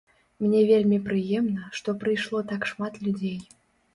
Мне вельмі прыемна, што прыйшло так шмат людзей.